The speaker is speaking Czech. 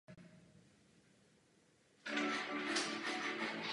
S klesající hladinou moří postupovaly i tyto rostliny do nižších poloh.